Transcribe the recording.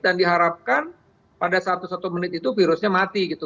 dan diharapkan pada satu satu menit itu virusnya mati gitu